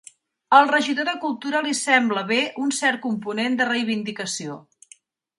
Al regidor de Cultura li sembla bé un cert component de reivindicació.